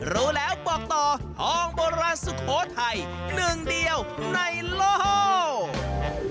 รู้แล้วบอกต่อทองโบราณสุโขทัยหนึ่งเดียวในโลก